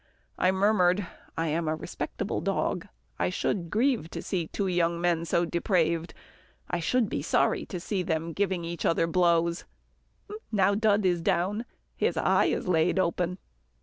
I murmured, "I am a respectable dog. I should grieve to see two young men so depraved. I should be sorry to see them giving each other blows now Dud is down his eye is laid open.